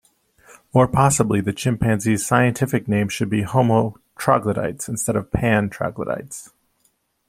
Or possibly the chimpanzee's scientific name should be "Homo troglodytes" instead of "Pan troglodytes".